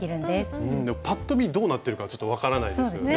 ぱっと見どうなってるかちょっと分からないですよね。